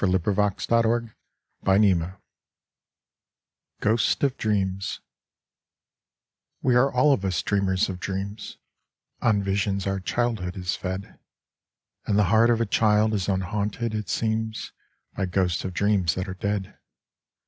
William Herbert Carruth Ghosts of Dreams WE are all of us dreamers of dreams, On visions our childhood is fed; And the heart of a child is unhaunted, it seems, By ghosts of dreams that are dead.